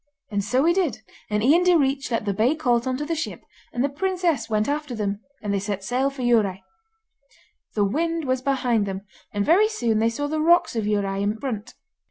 And so he did, and Ian Direach let the bay colt into the ship and the princess went after them, and they set sail for Dhiurradh. The wind was behind them, and very soon they saw the rocks of Dhiurradh in front.